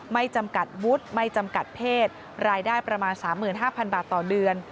ไม่จำกัดวุฒิไม่จำกัดเพศรายได้ประมาณ๓๕๐๐บาทต่อเดือน